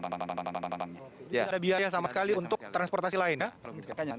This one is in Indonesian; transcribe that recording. jadi ada biaya sama sekali untuk transportasi lain ya